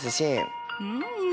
うん！